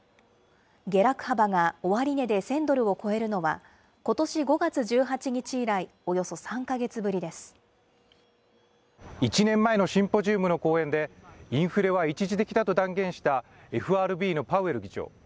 下落幅が終値で１０００ドルを超えるのは、ことし５月１８日以来、１年前のシンポジウムの講演で、インフレは一時的だと断言した、ＦＲＢのパウエル議長。